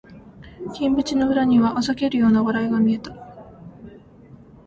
金縁の裏には嘲るような笑いが見えた